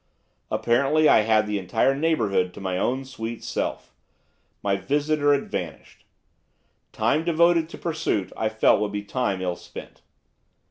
Apparently I had the entire neighbourhood to my own sweet self. My visitor had vanished. Time devoted to pursuit I felt would be time ill spent.